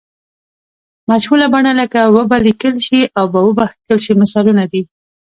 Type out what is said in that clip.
مجهوله بڼه لکه و به لیکل شي او و به کښل شي مثالونه دي.